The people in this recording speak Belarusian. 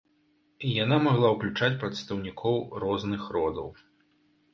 Яна магла ўключаць прадстаўнікоў розных родаў.